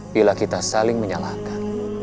bila kita saling menyalahkan